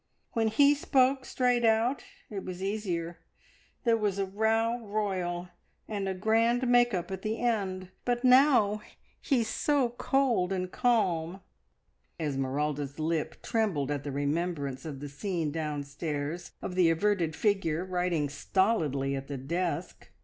When he spoke straight out it was easier; there was a row royal, and a grand `make up' at the end, but now he's so cold and calm." Esmeralda's lip trembled at the remembrance of the scene downstairs of the averted figure writing stolidly at the desk.